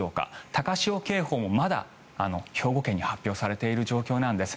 高潮警報もまだ兵庫県に発表されている状況です。